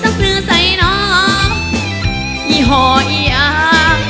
ได้ยับบ่ซังคือใส่น้องยี่ห่อยี่อา